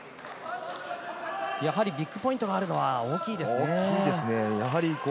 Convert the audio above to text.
やはりビッグポイントがあるのは大きいですね。